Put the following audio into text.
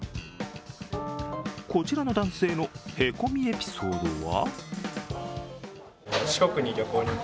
こちらの男性の凹みエピソードは？